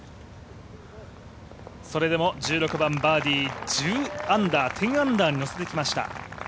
それでも１６番バーディー、１０アンダーに乗せてきました。